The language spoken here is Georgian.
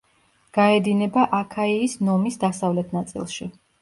გაედინება აქაიის ნომის დასავლეთ ნაწილში.